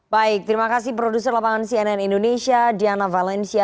baik terima kasih produser lapangan cnn indonesia diana valencia